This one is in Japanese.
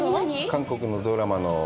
韓国のドラマの。